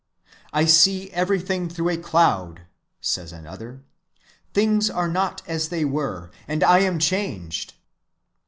—"I see everything through a cloud," says another, "things are not as they were, and I am changed."